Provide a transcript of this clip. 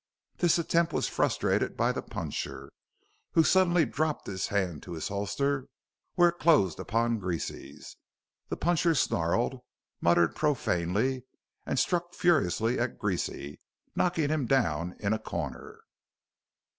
This attempt was frustrated by the puncher, who suddenly dropped his hand to his holster, where it closed upon Greasy's. The puncher snarled, muttered profanely, and struck furiously at Greasy, knocking him down in a corner.